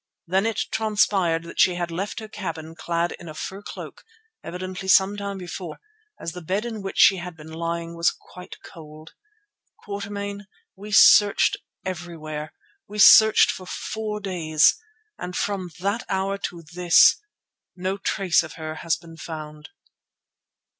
Then it transpired that she had left her cabin clad in a fur cloak, evidently some time before, as the bed in which she had been lying was quite cold. Quatermain, we searched everywhere; we searched for four days, but from that hour to this no trace whatever of her has been found."